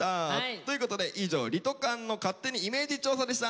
ということで以上「リトかんの勝手にイメージ調査！」でした。